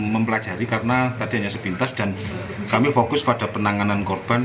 mempelajari karena tadinya sebintas dan kami fokus pada penanganan korban